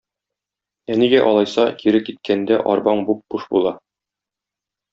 Ә нигә, алайса, кире киткәндә арбаң буп-буш була?